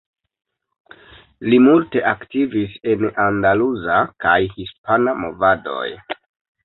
Li multe aktivis en la andaluza kaj hispana movadoj.